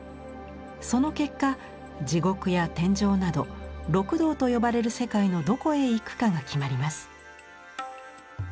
その結果地獄や天上など六道と呼ばれる世界のどこへ行くかが決まります。